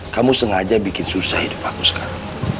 kamu sengaja bikin susah hidup kamu sekarang